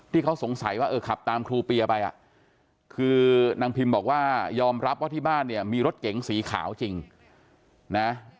ที่เขาสงสัยว่าเออขับตามครูเปียไปอ่ะคือนางพิมบอกว่ายอมรับว่าที่บ้านเนี่ยมีรถเก๋งสีขาวจริงนะ